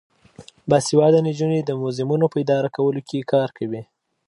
باسواده نجونې د موزیمونو په اداره کولو کې کار کوي.